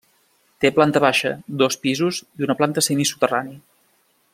Té planta baixa, dos pisos i una planta semisoterrani.